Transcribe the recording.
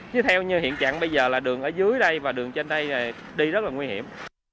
chứ theo như hiện trạng bây giờ là đường ở dưới đây và đường trên đây đi rất là nguy hiểm